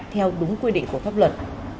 theo đúng quy định của tháp luật